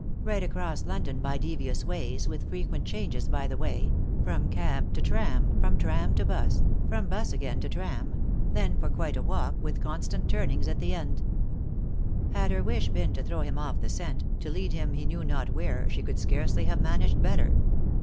Right across London by devious ways, with frequent changes by the way ; from cab to tram ; from tram to "bus ; from 'bus again to tram; then for quite a walk, with constant turnings, at the end. Had her wish been to throw him off the scent, to lead him he knew not where, she could scarcely have managed better.